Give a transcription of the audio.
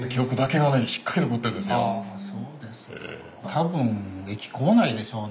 多分駅構内でしょうね。